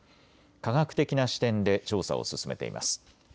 科学的な視点で調査を進めています。